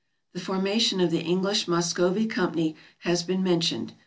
The formation of the English Muscovy Company has been mentioned.